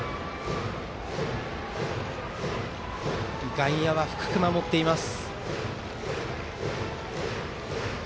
外野、深く守っています。